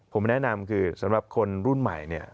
ผมแนะนำคือสำหรับคนรุ่นใหม่เนี่ย